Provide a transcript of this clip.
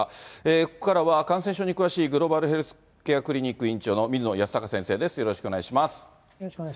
ここからは感染症に詳しい、グローバルヘルスケアクリニック院長の水野泰孝先生です、よろしよろしくお願いします。